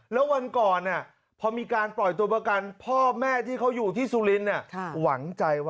แล้ววันก่อนพอมีการปล่อยตัวประกันพ่อแม่ที่เขาอยู่ที่สุลิน